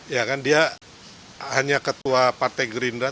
ya kan dia hanya ketua partai gerindra